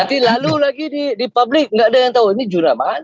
nanti lalu lagi di publik nggak ada yang tahu ini juna mana ya